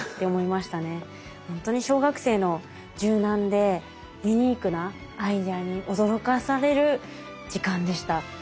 本当に小学生の柔軟でユニークなアイデアに驚かされる時間でした。